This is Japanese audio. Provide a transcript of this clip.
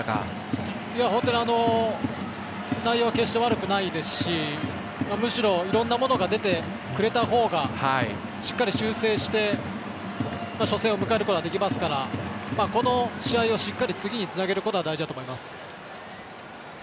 内容は決して悪くないですしむしろ、いろんなことが出てくれたほうがしっかり修正して初戦を迎えることができますからこの試合をしっかり次につなげることは大事だと思います。